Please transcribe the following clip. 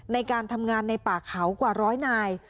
ในการทำงานในป่าเขากว่าร้อยนาย